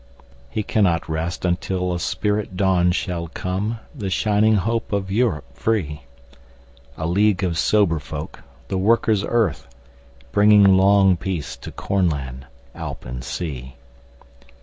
He cannot rest until a spirit dawnShall come;—the shining hope of Europe free:A league of sober folk, the Workers' Earth, Bringing long peace to Cornland, Alp and Sea.